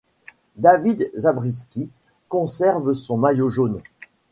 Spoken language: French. David Zabriskie conserve son maillot jaune.